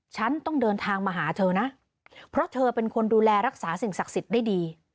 ฉันต้องเดินทางมาหาเธอนะเพราะเธอเป็นคนดูแลรักษาสิ่งศักดิ์สิทธิ์ได้ดี